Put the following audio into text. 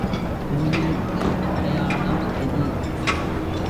கோயிலுக்கு அடையாளம் எது?